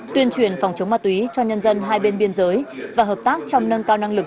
tuyên truyền phòng chống ma túy cho nhân dân hai bên biên giới và hợp tác trong nâng cao năng lực